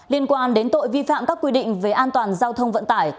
liên quan đến tội vi phạm các quy định về an toàn giao thông vận tải